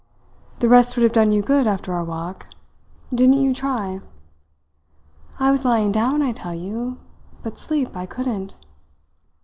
"The rest would have done you good after our walk. Didn't you try?" "I was lying down, I tell you, but sleep I couldn't."